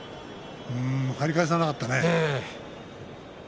張り返さなかったね